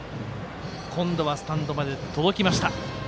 今度はスタンドまで届きました。